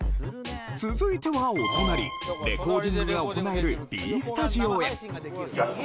続いてはお隣レコーディングが行える Ｂ スタジオへ行きます！